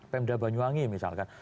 pemda banyuwangi misalkan